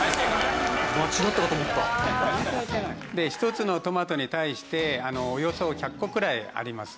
１つのトマトに対しておよそ１００個くらいあります。